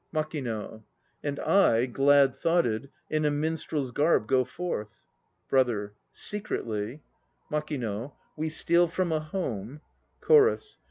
MAKING. And I, glad thoughted, In a minstrel's garb go forth. BROTHER. Secretly MAKING. We steal from a home CHORUS.